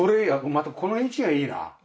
またこの位置がいいな。